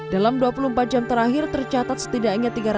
dalam dua puluh empat jam terakhir tercatat setidaknya